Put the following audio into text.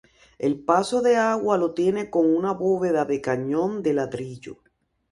El paso de agua lo tiene con una bóveda de cañón de ladrillo.